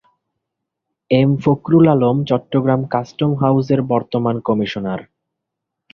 M Fakhrul Alam Chattogram custom হাউসের বর্তমান commissioner.